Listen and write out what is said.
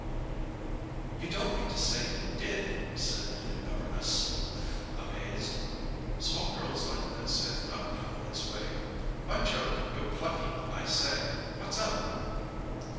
"You don't mean to say you did!" said the new "governess" amazed. Small girls like this had not come his way. "By Jove, you're plucky! I say, what's up?"